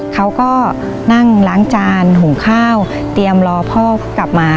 เขาก็นั่งล้างจานหุงข้าวเตรียมรอพ่อกลับมา